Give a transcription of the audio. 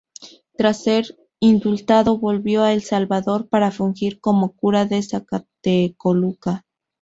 Tras ser indultado, volvió a El Salvador para fungir como cura de Zacatecoluca.